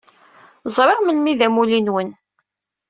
Zṛiɣ melmi i d amulli-nwen.